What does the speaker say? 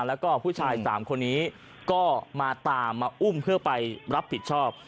แล้วก็ผู้ชาย๓คนนี้ก็มาตามมาอุ้มเพื่อไปรับผิดชอบ